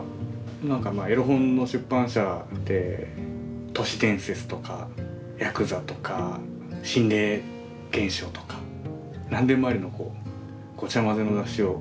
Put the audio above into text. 何かエロ本の出版社で都市伝説とかヤクザとか心霊現象とか何でもありのごちゃまぜの雑誌を。